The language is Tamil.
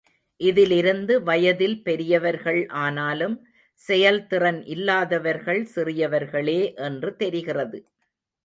இதிலிருந்து வயதில் பெரியவர்கள் ஆனாலும், செயல்திறன் இல்லாதவர்கள் சிறியவர்களே என்று தெரிகிறது.